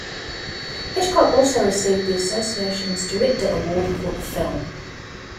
Hitchcock also received the Association's Director Award for the film.